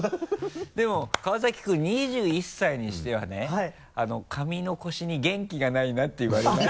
でも川崎君２１歳にしてはね髪のコシに元気がないなっていわれない？